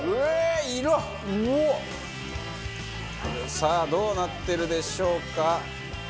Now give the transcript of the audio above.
さあどうなってるでしょうか？